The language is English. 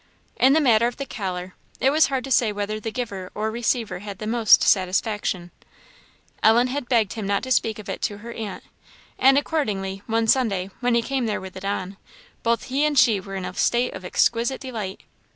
In the matter of the collar, it was hard to say whether the giver or receiver had the most satisfaction. Ellen had begged him not to speak of it to her aunt; and accordingly, one Sunday, when he came there with it on, both he and she were in a state of exquisite delight.